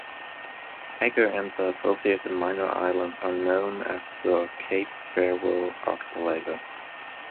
Egger and the associated minor islands are known as the Cape Farewell Archipelago.